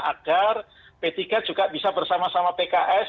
agar p tiga juga bisa bersama sama pks